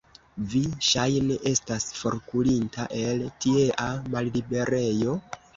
Vi, ŝajne, estas forkurinta el tiea malliberejo?